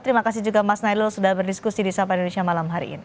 terima kasih juga mas nailul sudah berdiskusi di sahabat indonesia malam hari ini